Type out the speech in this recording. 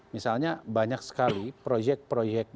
misalnya banyak sekali proyek proyek